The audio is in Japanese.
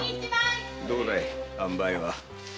どうだいあんばいは？